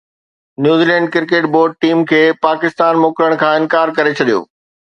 New Zealand cricket board team کي پاڪستان موڪلڻ کان انڪار ڪري ڇڏيو